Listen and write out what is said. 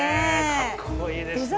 かっこいいですね。